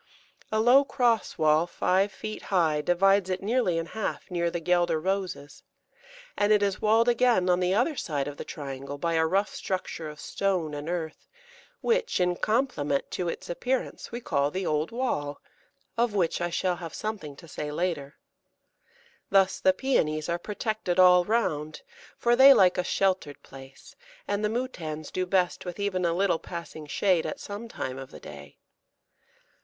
A low cross wall, five feet high, divides it nearly in half near the Guelder Roses, and it is walled again on the other long side of the triangle by a rough structure of stone and earth, which, in compliment to its appearance, we call the Old Wall, of which I shall have something to say later. Thus the Pæonies are protected all round, for they like a sheltered place, and the Moutans do best with even a little passing shade at some time of the day.